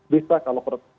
bisa kalau pemerintah membuka